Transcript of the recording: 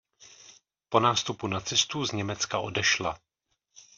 Po nástupu nacistů z Německa odešla.